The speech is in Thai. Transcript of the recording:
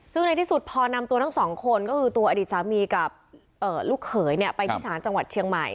ซึ่งในที่สุดพอนำตัวทั้งสองคนก็คือตัวอดีตสามีกับลูกเขยไปที่ศาลจังหวัดเชียงใหม่